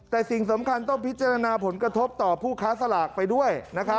แต่สิ่งสำคัญต้องพิจารณาผลกระทบต่อผู้ค้าสลากไปด้วย